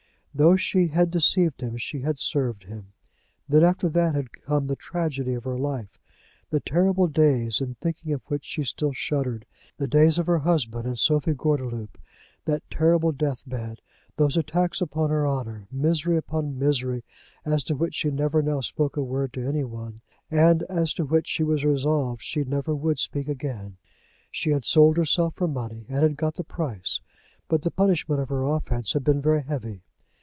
Though she had deceived him, she had served him. Then, after that, had come the tragedy of her life, the terrible days in thinking of which she still shuddered, the days of her husband and Sophie Gordeloup, that terrible deathbed, those attacks upon her honour, misery upon misery, as to which she never now spoke a word to any one, and as to which she was resolved that she never would speak again. She had sold herself for money, and had got the price; but the punishment of her offence had been very heavy.